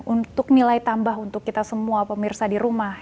untuk nilai tambah untuk kita semua pemirsa di rumah